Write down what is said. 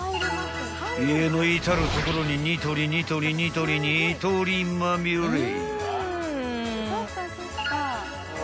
［家の至る所にニトリニトリニトリニトリまみれ］